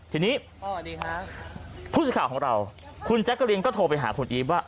ทีนี้ผู้สื่อข่าวของเราคุณแจ๊กกะรีนก็โทรไปหาคุณอีฟว่า